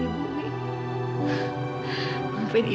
ibu kok malah marah sama dewi